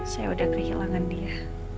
saya udah kehilangan dia